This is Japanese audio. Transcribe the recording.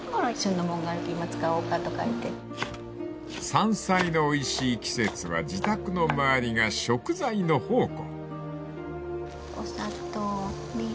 ［山菜のおいしい季節は自宅の周りが食材の宝庫］